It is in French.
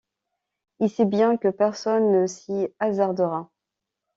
Il sait bien que personne ne s’y hasardera!